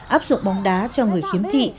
áp dụng bóng đá cho người khiếm thị